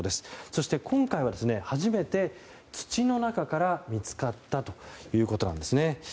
そして、今回は初めて土の中から見つかったということです。